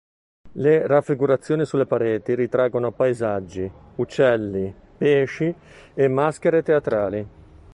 Le raffigurazioni sulle pareti ritraggono paesaggi, uccelli, pesci e maschere teatrali.